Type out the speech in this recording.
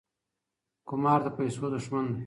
قمار د پیسو دښمن دی.